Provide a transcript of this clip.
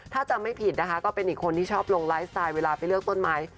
ถ้าจำไม่ผิดนะคะก็เป็นอีกคนที่ชอบลงไลฟ์สไตล์เวลาไปเลือกต้นไม้